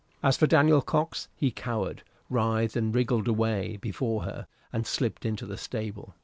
As for Daniel Cox, he cowered, writhed, and wriggled away before her, and slipped into the stable.